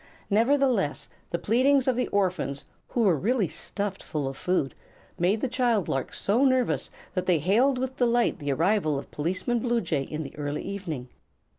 Nevertheless, the pleadings of the orphans, who were really stuffed full of food, made the child larks so nervous that they hailed with delight the arrival of Policeman Bluejay in the early evening.